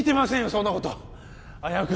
そんなこと危うく